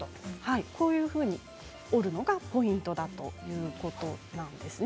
こういうふうに折るのがポイントだということなんですね。